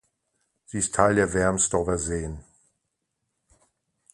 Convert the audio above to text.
Sie ist Teil der "Wermsdorfer Seen".